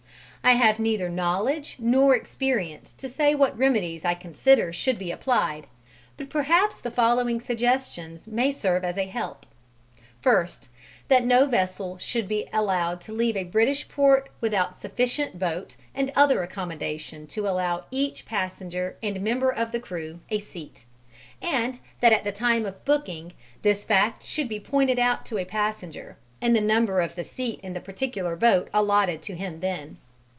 I have neither knowledge nor experience to say what remedies I consider should be applied; but, perhaps, the following suggestions may serve as a help: First, that no vessel should be allowed to leave a British port without sufficient boat and other accommodation to allow each passenger and member of the crew a seat; and that at the time of booking this fact should be pointed out to a passenger, and the number of the seat in the particular boat allotted to him then.